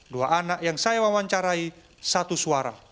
dua anak yang saya wawancarai satu suara